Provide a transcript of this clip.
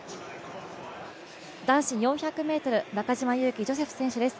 男子４００ｍ中島佑気ジョセフ選手です。